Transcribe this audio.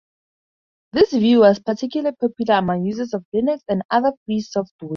This view was particularly popular among users of Linux and other free software.